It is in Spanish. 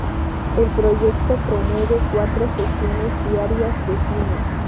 El proyecto promueve cuatro sesiones diarias de cine.